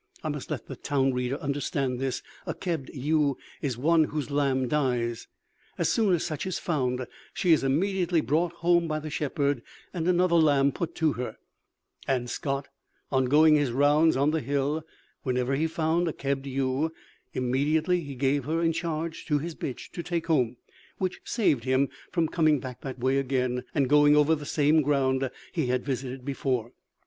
I must let the town reader understand this. A kebbed ewe is one whose lamb dies. As soon as such is found, she is immediately brought home by the shepherd, and another lamb put to her; and Scott, on going his rounds on the hill, whenever he found a kebbed ewe, immediately gave her in charge to his bitch to take home, which saved him from coming back that way again and going over the same ground he had visited before.